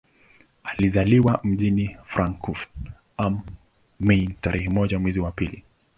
Alizaliwa mjini Frankfurt am Main tarehe moja mwezi wa pili